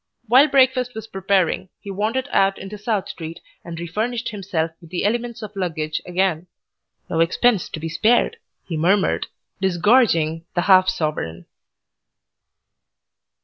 While breakfast was preparing he wandered out into South Street and refurnished himself with the elements of luggage again. "No expense to be spared," he murmured, disgorging the half sovereign.